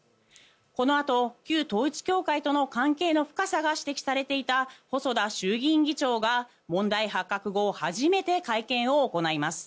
このあと、旧統一教会との関係の深さが指摘されていた細田衆議院議長が問題発覚後初めて会見を行います。